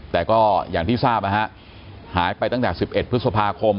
แต่ก็อย่างที่ทราบนะฮะหายไปตั้งแต่๑๑พฤษภาคม